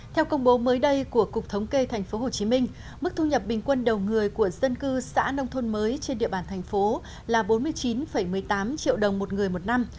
theo công bố mới đây của cục thống kê tp hcm mức thu nhập bình quân đầu người của dân cư xã nông thôn mới trên địa bàn thành phố là bốn mươi chín một mươi tám triệu đồng một người một năm